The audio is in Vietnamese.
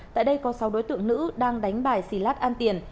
tại đây có sáu đối tượng nữ đang đánh bài xì lát ăn tiền